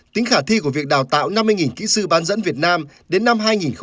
tính khả thi của việc đào tạo năm mươi kỹ sư bán dẫn việt nam đến năm hai nghìn hai mươi